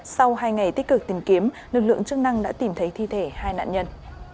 sau hai ngày tích cực tìm kiếm lực lượng chức năng đã tìm thấy thi thể hai nạn nhân